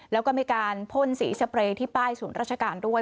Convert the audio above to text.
แล้วก็มีการพ่นสีสเปรย์ที่ป้ายศูนย์ราชการด้วย